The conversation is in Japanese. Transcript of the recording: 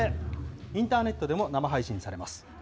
インターネットでも生配信されます。